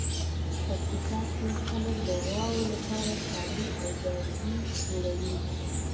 په پکتیکا کې خلک د غواوو لپاره څالې او جارګې جوړوي.